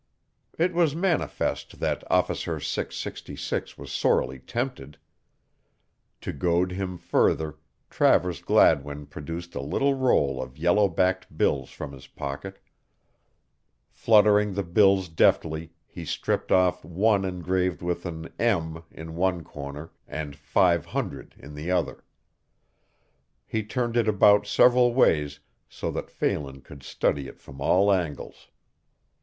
It was manifest that Officer 666 was sorely tempted. To goad him further Travers Gladwin produced a little roll of yellow backed bills from his pocket. Fluttering the bills deftly he stripped off one engraved with an "M" in one corner and "500" in the other. He turned it about several ways so that Phelan could study it from all angles.